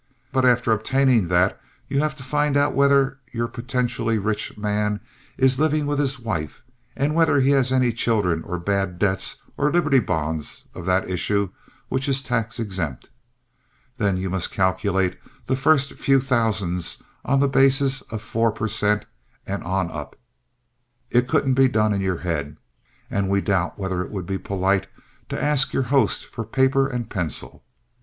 But after obtaining that you have to find out whether your potentially rich man is living with his wife and whether he has any children or bad debts or Liberty bonds of that issue which is tax exempt. Then you must calculate the first few thousands on the basis of four per cent and on up. It couldn't be done in your head, and we doubt whether it would be polite to ask your host for paper and pencil.